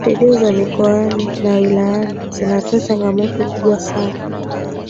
redio za mikoani na wilayani zinatoa changamoto kubwa sana